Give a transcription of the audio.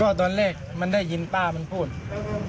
ก็ตอนเล็กมันได้ยินป้ามันพูด